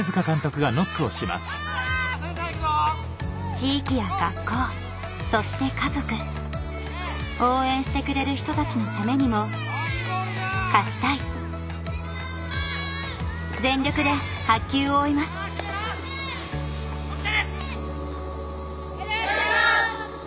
地域や学校そして家族応援してくれる人たちのためにも勝ちたい全力で白球を追います・ＯＫ！